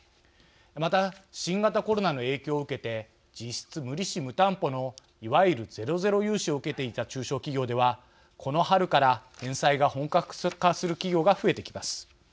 また、新型コロナの影響を受けて実質無利子・無担保のいわゆるゼロゼロ融資を受けていた中小企業ではこの春から返済が本格化する企業が増えてきます。